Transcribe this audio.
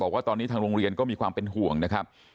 ว่าตอนนี้ทางโรงเรียนก็มีความเป็นห่วงนะครับ